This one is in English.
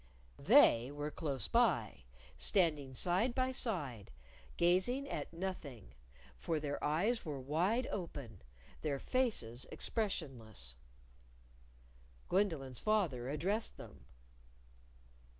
They were close by, standing side by side, gazing at nothing. For their eyes were wide open, their faces expression less. Gwendolyn's father addressed them.